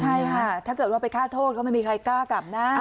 ใช่ค่ะถ้าเกิดว่าไปฆ่าโทษก็ไม่มีใครกล้ากลับนะ